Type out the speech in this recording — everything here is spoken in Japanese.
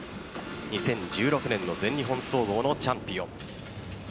２０１６年の全日本総合のチャンピオン。